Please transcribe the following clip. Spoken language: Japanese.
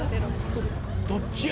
どっちや？